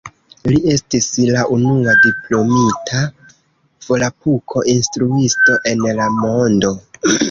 Li estis la unua diplomita volapuko-instruisto en la mondo.